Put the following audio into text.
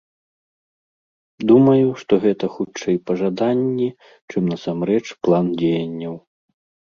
Думаю, што гэта хутчэй пажаданні, чым насамрэч план дзеянняў.